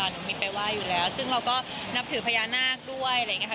หนูมีไปไหว้อยู่แล้วซึ่งเราก็นับถือพญานาคด้วยอะไรอย่างนี้ค่ะ